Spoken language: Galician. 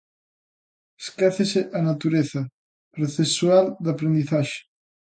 Esquécese a natureza procesual da aprendizaxe.